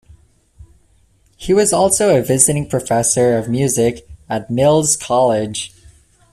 He was also a visiting professor of music at Mills College.